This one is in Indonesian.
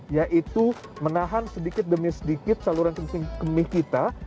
yaitu menahan sedikit demi sedikit saluran kemih kita